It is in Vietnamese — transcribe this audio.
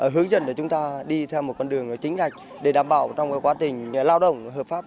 hướng dẫn để chúng ta đi theo một con đường chính ngạch để đảm bảo trong quá trình lao động hợp pháp